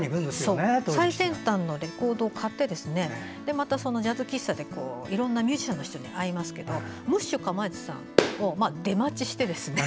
最先端のレコードを買ってジャズ喫茶でいろんなミュージシャンの人に会いますけどムッシュかまやつさんを出待ちしてですね